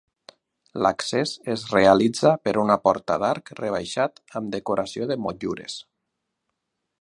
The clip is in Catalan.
L'accés es realitza per una porta d'arc rebaixat amb decoració de motllures.